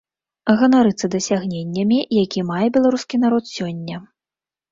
Ганарыцца дасягненнямі, які мае беларускі народ сёння.